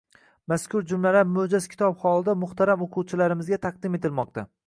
mazkur jumlalar moʻjaz kitob holida muhtaram o‘quvchilarimizga taqdim etilmoqda.